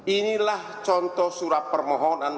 inilah contoh surat permohonan